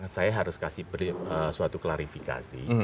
saya harus kasih suatu klarifikasi